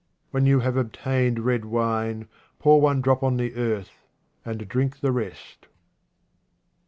When you have obtained red wine, pour one drop on the earth, and drink the rest.